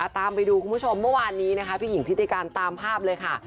ตามไปดูคุณผู้ชมเมื่อวานนี้นะคะพี่หญิงทิติการตามภาพเลยค่ะ